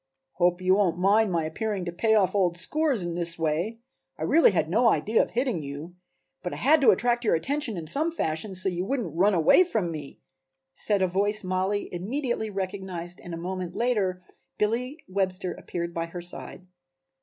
"Hope you won't mind my appearing to pay off old scores in this way; I really had no idea of hitting you, but I had to attract your attention in some fashion, so you wouldn't run away from me," said a voice Mollie immediately recognized and a moment later Billy Webster appeared by her side.